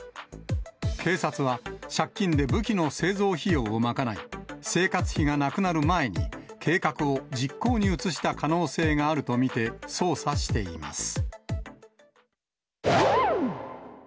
警察は、借金で武器の製造費用を賄い、生活費がなくなる前に計画を実行に移した可能性があると見て捜査しています。